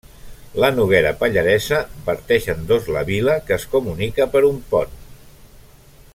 La Noguera Pallaresa parteix en dos la vila, que es comunica per un pont.